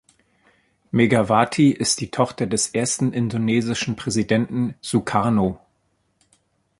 Megawati ist die Tochter des ersten indonesischen Präsidenten Sukarno.